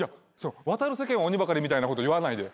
『渡る世間は鬼ばかり』みたいなこと言わないで。